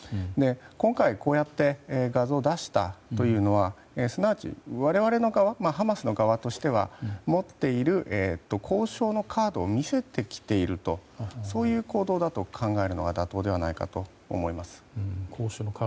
今回、こうやって画像を出したというのはすなわち、我々の側ハマスの側としては持っている交渉のカードを見せてきているとそういう行動だと考えるのが妥当ではないかと思います。